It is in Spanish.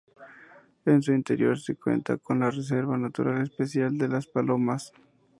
En su interior se encuentra la Reserva Natural Especial de Las Palomas.